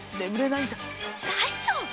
大丈夫！